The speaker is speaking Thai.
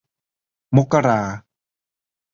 มกรา